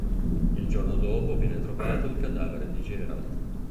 Il giorno dopo viene trovato il cadavere di Gerald.